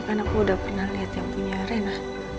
karena aku udah pernah liat yang punya rena